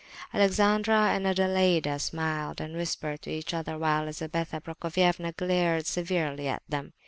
Alexandra and Adelaida smiled and whispered to each other, while Lizabetha Prokofievna glared severely at them.